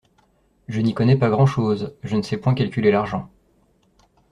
Je n’y connais pas grand’ chose : je ne sais point calculer l’argent.